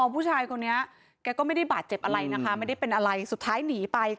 ผู้ชายคนนี้แกก็ไม่ได้บาดเจ็บอะไรนะคะไม่ได้เป็นอะไรสุดท้ายหนีไป